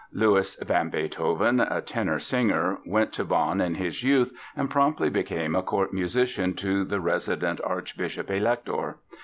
Louis van Beethoven, a tenor singer, went to Bonn in his youth and promptly became a court musician to the resident archbishop elector.